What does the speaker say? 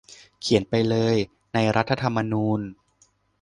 เขียนไปเลยในรัฐธรรมนูญ